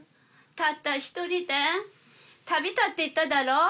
たった一人で旅立っていっただろ？